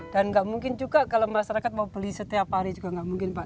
dan enggak mungkin juga kalau masyarakat mau beli setiap hari juga enggak mungkin pak